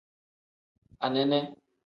Anene.